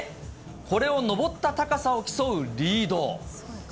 これを登った高さを競うリード。